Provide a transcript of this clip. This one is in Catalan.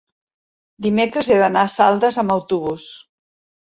dimecres he d'anar a Saldes amb autobús.